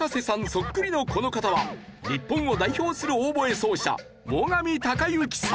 ソックリのこの方は日本を代表するオーボエ奏者最上峰行さん。